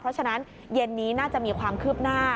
เพราะฉะนั้นเย็นนี้น่าจะมีความคืบหน้า